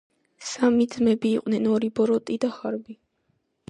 სამი ძმები იყვნენ. ორი ბოროტი და ხარბი